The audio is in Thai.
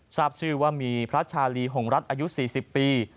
ทราบชื่อว่ามีพระชาลีหงรัฐอายุ๔๐ปี